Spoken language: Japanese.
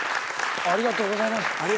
ありがとうございます。